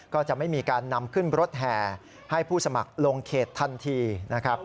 ก็จะไม่มีการนำขึ้นรถแห่ให้ผู้สมัครลงเขตทันทีนะครับ